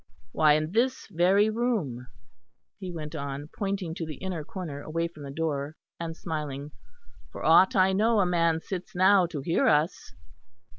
Why, in this very room," he went on, pointing to the inner corner away from the door, and smiling, "for aught I know a man sits now to hear us."